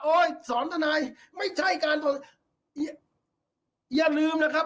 สอนทนายไม่ใช่การตรวจอย่าลืมนะครับ